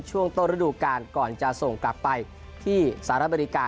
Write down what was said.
ช่วงต้นฤดูการก่อนจะส่งกลับไปที่สหรัฐอเมริกา